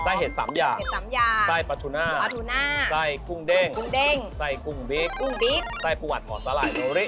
ใต้เห็ดสำหญาใต้ปาทุน้าใต้กรุงเด้งใต้กรุงบิ๊กใต้ปวดหอตลายโอ๊ย